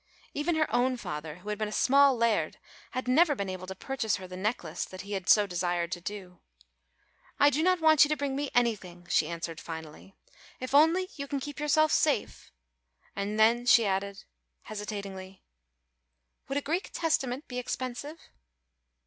Even her own father who had been a small Laird had never been able to purchase her the necklace that he had so desired to do. "I do not want you to bring me anything," she answered finally, "if only you can keep yourself safe," and then she added hesitatingly, "Would a Greek Testament be expensive?"